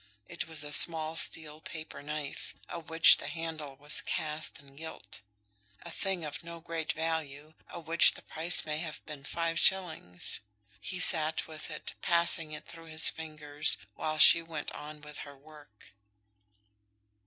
It was a small steel paper knife, of which the handle was cast and gilt; a thing of no great value, of which the price may have been five shillings. He sat with it, passing it through his fingers, while she went on with her work.